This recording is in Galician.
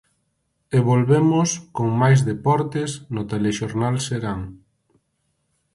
E volvemos, con máis deportes, no Telexornal Serán.